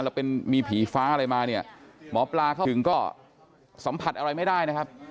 แล้วเป็นมีผีฟ้าอะไรมาเนี่ยหมอปลาเข้าถึงก็สัมผัสอะไรไม่ได้นะครับ